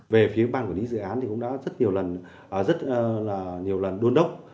về phía ban quản lý dự án thì cũng đã rất nhiều lần đôn đốc